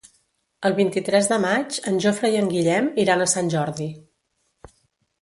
El vint-i-tres de maig en Jofre i en Guillem iran a Sant Jordi.